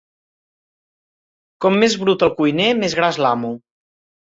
Com més brut el cuiner, més gras l'amo.